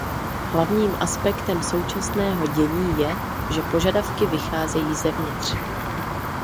Hlavním aspektem současného dění je, že požadavky vycházejí zevnitř.